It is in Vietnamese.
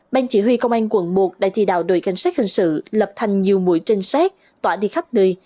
ban chỉ huy công an quận một đã chỉ đạo đội canh sát hình sự lập thành nhiều mũi trinh sát tỏa đi khắp nơi